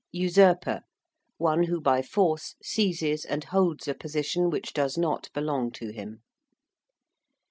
~usurper~: one who by force seizes and holds a position which does not belong to him.